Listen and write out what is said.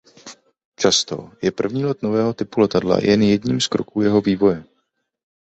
Často je první let nového typu letadla jen jedním z kroků jeho vývoje.